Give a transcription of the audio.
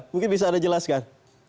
mungkin bisa anda jelaskan